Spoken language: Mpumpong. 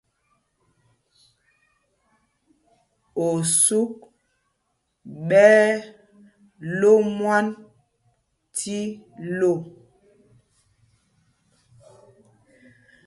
Osuk ɓɛ́ ɛ́ ló mwân tí lo.